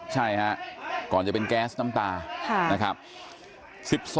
ใช่ฮะก่อนจะเป็นแก๊สน้ำตานะครับ